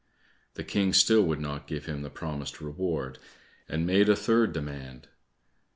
The King still would not give him the promised reward, and made a third demand.